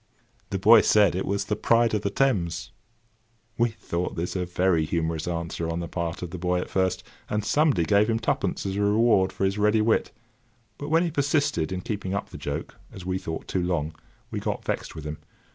The boy said it was The Pride of the Thames. We thought this a very humorous answer on the part of the boy at first, and somebody gave him twopence as a reward for his ready wit; but when he persisted in keeping up the joke, as we thought, too long, we got vexed with him.